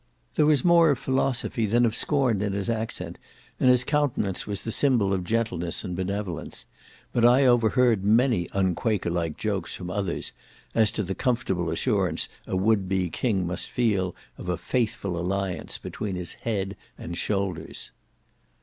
There was more of philosophy than of scorn in his accent, and his countenance was the symbol of gentleness and benevolence; but I overheard many unquakerlike jokes from others, as to the comfortable assurance a would be king must feel of a faithful alliance between his head and shoulders.